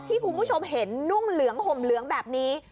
คุณผู้ชมเห็นนุ่งเหลืองห่มเหลืองแบบนี้